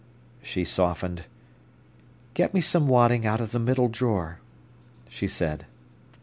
She softened: "Get me some wadding out of the middle drawer," she said.